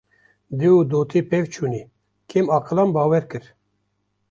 Dê û dotê pevçûnî, kêm aqilan bawer kir